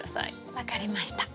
分かりました。